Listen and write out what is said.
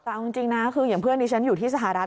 แต่เอาจริงนะคืออย่างเพื่อนที่ฉันอยู่ที่สหรัฐ